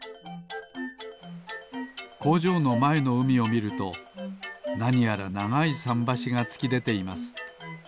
こうじょうのまえのうみをみるとなにやらながいさんばしがつきでています。